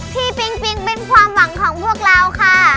ปิ๊งปิ๊งเป็นความหวังของพวกเราค่ะ